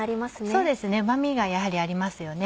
そうですねうま味がやはりありますよね。